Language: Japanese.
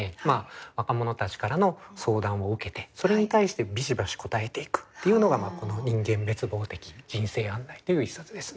若者たちからの相談を受けてそれに対してビシバシ答えていくというのがこの「人間滅亡的人生案内」という一冊ですね。